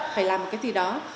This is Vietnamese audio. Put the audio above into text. phải làm cái gì đó